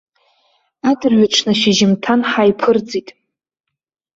Адырҩаҽны шьыжьымҭан ҳаиԥырҵит.